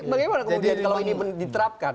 bagaimana kemudian kalau ini diterapkan